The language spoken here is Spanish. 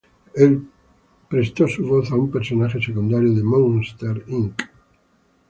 El presto su voz a un personaje secundario de Monsters, Inc..